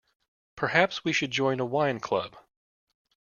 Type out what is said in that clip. Perhaps we should join a wine club.